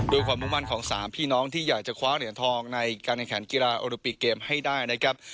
ความมุ่งมั่นของ๓พี่น้องที่อยากจะคว้าเหรียญทองในการแข่งขันกีฬาโอลิปิกเกมให้ได้นะครับ